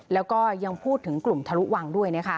แล้วก็ยังพูดถึงกลุ่มทะลุวังด้วย